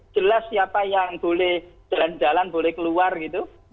jelas siapa yang boleh jalan jalan boleh keluar gitu